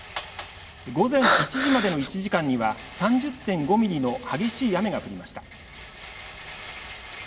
午前１時までの１時間には３０．５ミリの激しい雨が降りました。